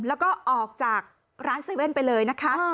แล้วก็ออกจากร้าน๗๑๑ไปเลยนะคะ